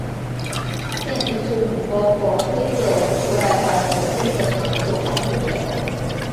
现时制服包括黑色无袖外套和黑色长袖防水外套。